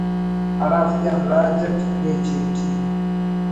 ہرافتیان راج اٹ بے چیٹی